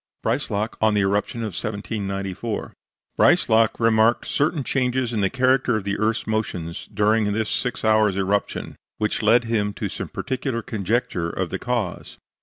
BREISLAK ON THE ERUPTION OF 1794 Breislak remarked certain changes in the character of the earth's motions during this six hours' eruption, which led him to some particular conjecture of the cause.